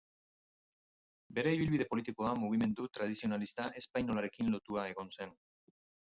Bere ibilbide politikoa mugimendu tradizionalista espainolarekin lotua egon zen.